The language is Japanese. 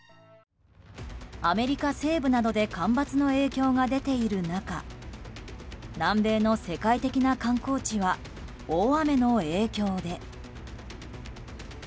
アメリカ西部などで干ばつの影響が出ている中南米の世界的な観光地は大雨の影響で。